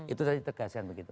itu tadi tegaskan begitu